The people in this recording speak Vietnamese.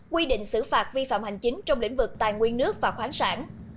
quy định xử phạt vi phạm hành chính trong lĩnh vực tài nguyên nước và khoáng sản